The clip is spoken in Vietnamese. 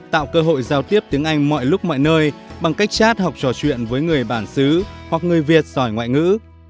tạo cơ hội giao tiếp tiếng anh mọi lúc mọi nơi bằng cách chat học trò chuyện với người bản xứ hoặc người việt giỏi ngoại ngữ